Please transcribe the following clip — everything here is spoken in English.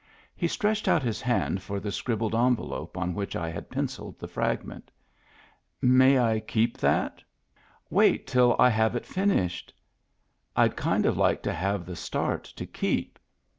He stretched out his hand for the scribbled envelope on which I had pencilled the fragment. " May I keep that ?"" Wait till I have it finished." "Fd kind of like to have the start to keep."